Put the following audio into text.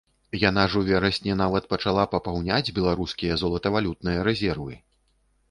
Яна ж у верасні нават пачала папаўняць беларускія золатавалютныя рэзервы!